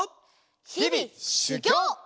ひびしゅぎょう！